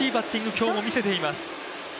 今日も見せています。